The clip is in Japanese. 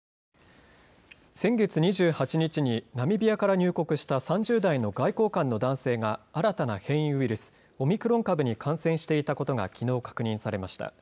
先月２８日にナミビアから入国した３０代の外交官の男性が新たな変異ウイルス、オミクロン株に感染していたことが、きのう確認されました。